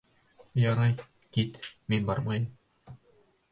Ярай, кит. Мин бармайым.